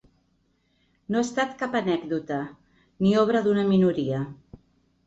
No ha estat cap anècdota ni obra d’una minoria.